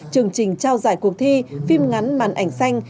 chương trình trao giải cuộc thi phim ngắn màn ảnh xanh